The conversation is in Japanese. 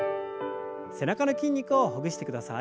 背中の筋肉をほぐしてください。